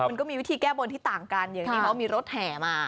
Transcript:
มันก็มีวิธีแก้บนทิศต่างกันเหมือนมีรถแถมา